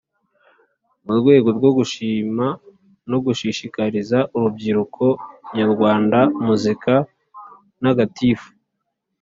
mu rwego rwo gushima no gushishikariza urubyiruko nyarwanda Muzika Ntagatifu.